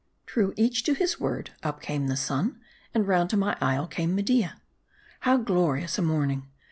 TRUE each to his word, up came the sun, and round to my isle came Media. How glorious a morning